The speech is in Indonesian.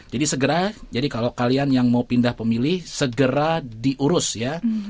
jadi segera jadi kalau kalian yang mau pindah pemilih segera diurus ya